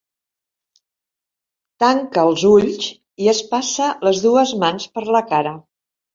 Tanca els ulls i es passa les dues mans per la cara.